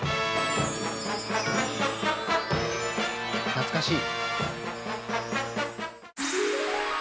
懐かしい。